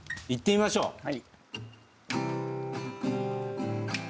いってみましょう。